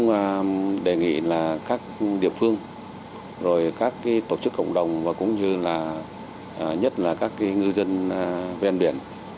chúng tôi đề nghị là các địa phương rồi các tổ chức cộng đồng và cũng như là nhất là các ngư dân ven biển